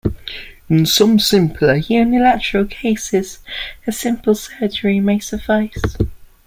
In some simpler, unilateral cases a single surgery may suffice.